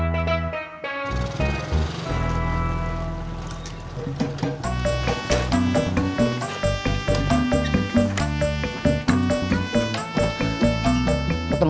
tarikudaka nyampe samaispuna ditimpa